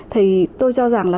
thì tôi cho rằng là